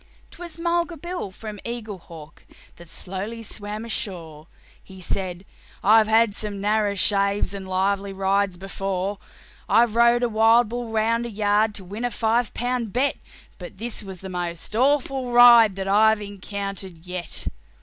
'Twas Mulga Bill, from Eaglehawk, that slowly swam ashore: He said, "I've had some narrer shaves and lively rides before; I've rode a wild bull round a yard to win a five pound bet, But that was sure the derndest ride that I've encountered yet.